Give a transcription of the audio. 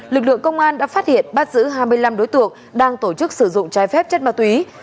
lực lượng công an đã phát hiện bắt giữ hai mươi năm đối tượng đang tổ chức sử dụng trái phép chất ma túy